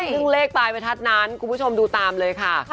ซึ่งเลขปลายประทัดนั้นคุณผู้ชมดูตามเลยค่ะ